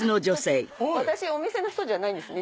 私お店の人じゃないんです。